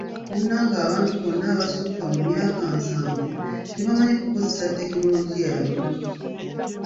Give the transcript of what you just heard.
Munnange abantu bonna abasukka emyaka nsanvu tebamanyi kukozesa tekinologiya aliwo.